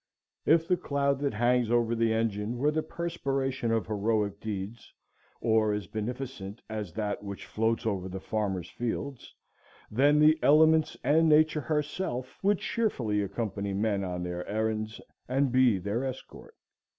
If the cloud that hangs over the engine were the perspiration of heroic deeds, or as beneficent as that which floats over the farmer's fields, then the elements and Nature herself would cheerfully accompany men on their errands and be their escort.